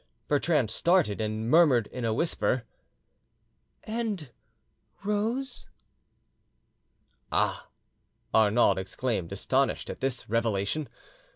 Bertrande started, and murmured in a whisper, "And Rose?" "Ah!" Arnauld exclaimed, astonished at this revelation.